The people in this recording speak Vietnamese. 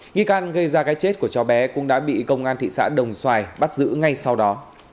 nghi can gây ra cái chết của chó bé cũng đã bị công an thị xã đồng xoài bắt giữ ngay sau đó